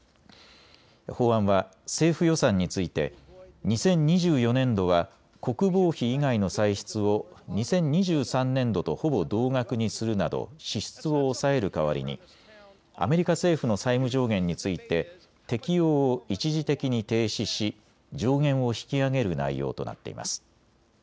法案は政府予算について２０２４年度は国防費以外の歳出を２０２３年度とほぼ同額にするなど支出を抑える代わりにアメリカ政府の債務上限について適用を一時的に停止し、上限を引き上げる内容となっています。